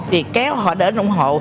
thì kéo họ đến ủng hộ